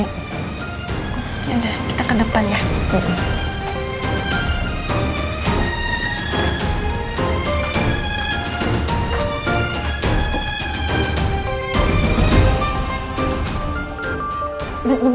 yaudah kita ke depan ya